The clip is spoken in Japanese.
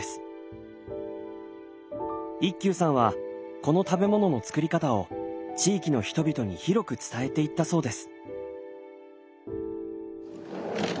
一休さんはこの食べ物の造り方を地域の人々に広く伝えていったそうです。